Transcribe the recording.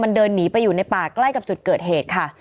มันเดินหนีไปอยู่ในป่าใกล้กับจุดเกิดเหตุค่ะ